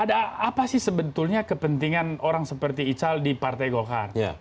ada apa sih sebetulnya kepentingan orang seperti ical di partai golkar